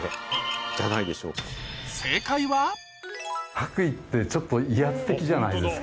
白衣ってちょっと威圧的じゃないですか。